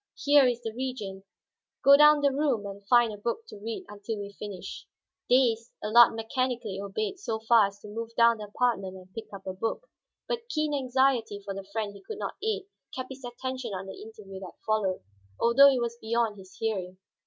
Here is the Regent; go down the room and find a book to read until we finish." Dazed, Allard mechanically obeyed so far as to move down the apartment and pick up a book. But keen anxiety for the friend he could not aid kept his attention on the interview that followed, although it was beyond his hearing.